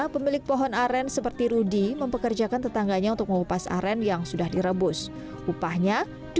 pemilik pohon aren seperti rudy mempekerjakan tetangganya untuk melepas aren yang sudah direbus upahnya